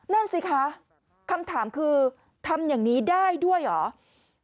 นั่นสิคะคำถามคือทำอย่างนี้ได้ด้วยเหรอ